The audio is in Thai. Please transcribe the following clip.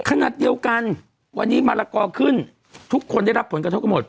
ขณะเดียวกันวันนี้มะละกอขึ้นทุกคนได้รับผลกระทบกันหมด